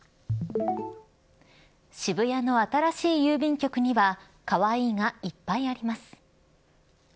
渋谷の新しい郵便局にはＫＡＷＡＩＩがいっぱいあります。